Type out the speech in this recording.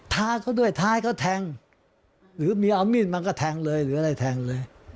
ท้าเขาด้วยท้าให้เขาแทงหรือมีเอามีดมาก็แทงเลยหรืออะไรแทงเลย